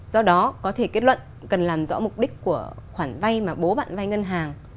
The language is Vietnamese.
do đó có thể kết luận cần làm rõ mục đích của khoản vay mà bố bạn vay ngân hàng